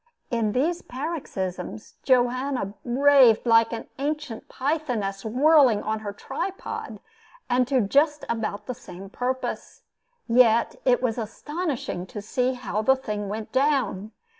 In these paroxysms, Joanna raved like an ancient Pythoness whirling on her tripod, and to just about the same purpose. Yet, it was astonishing to see how the thing went down.